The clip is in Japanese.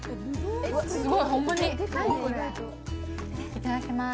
いただきます。